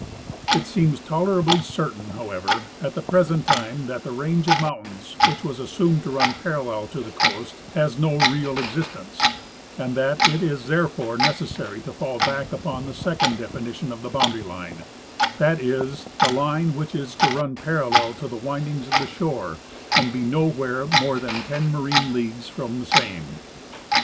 It seems tolerably certain, however, at the present time that the range of mouutains which was as sumed to run parallel to the coast has no real existence, and that it is therefore necessary to fall back upon the second definition of the boundary line — that is, the line which is to run parallel to the Avindings of the shore and be nowhere more than ten marine leagues from the same.